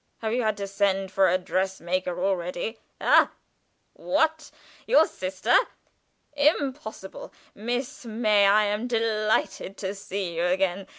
Have you had to send for a dress maker already? Ha! what? Your sister? Impossible! Miss May, I am delighted to see you again!